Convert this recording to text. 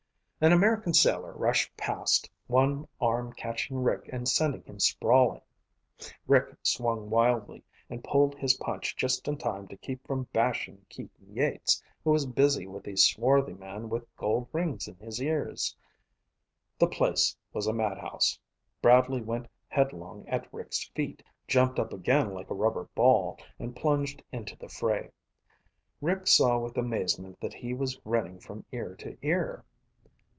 An American sailor rushed past, one arm catching Rick and sending him sprawling. Rick swung wildly, and pulled his punch just in time to keep from bashing Keaton Yeats, who was busy with a swarthy man with gold rings in his ears. The place was a madhouse. Bradley went headlong at Rick's feet, jumped up again like a rubber ball, and plunged into the fray. Rick saw with amazement that he was grinning from ear to ear.